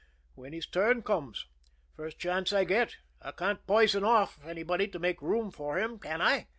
When his turn comes. First chance I get. I can't poison anybody off to make room for him can I?"